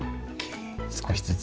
少しずつ。